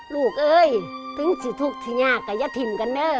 ลูกเอ๊ยถึงสิทุกข์ที่ง่ากับยธิมกันเนอะ